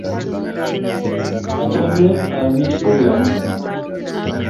Achame aamisyei ye ami kaa